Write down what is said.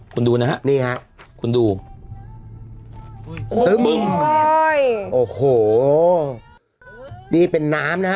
คุณดูนะฮะนี่ฮะคุณดูซื้อบึงโอ้โหนี่เป็นน้ำนะฮะ